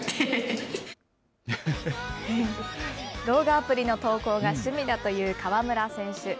動画アプリの投稿が趣味だという川村選手。